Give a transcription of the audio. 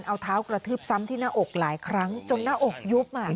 เอาเท้ากระทืบซ้ำที่หน้าอกหลายครั้งจนหน้าอกยุบ